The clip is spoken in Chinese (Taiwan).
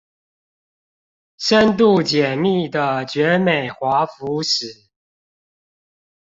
深度解密的絕美華服史